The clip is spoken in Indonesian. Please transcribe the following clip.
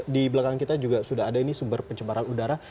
di belakang kita juga sudah ada ini sumber pencemaran udara